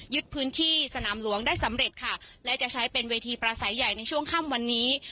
พื้นที่สนามหลวงได้สำเร็จค่ะและจะใช้เป็นเวทีประสัยใหญ่ในช่วงค่ำวันนี้